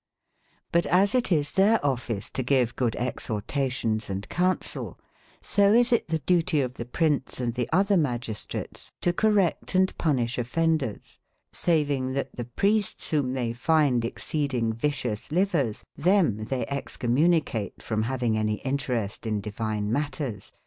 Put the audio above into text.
^WC as it is their office to geve good exhortations and counsel, ^soisitthedu tie of the prince and the other magistrates to correct & pun ishe offenders, saving that the priestes, whomethey findexceadingvicious livers, ^xcommu/ them they excommunicate from having nication anyeinterestindivinematters.